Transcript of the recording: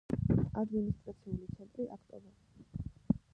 ადმინისტრაციული ცენტრი აქტობე.